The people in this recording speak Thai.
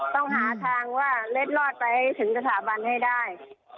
ต้องหาทางว่าเล็ดรอดไปให้ถึงสถาบันให้ได้